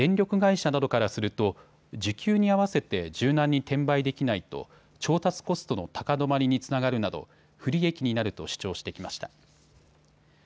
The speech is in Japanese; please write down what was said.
電力会社などからすると需給に合わせて柔軟に転売できないと調達コストの高止まりにつながるなど不利益になると主張してきました。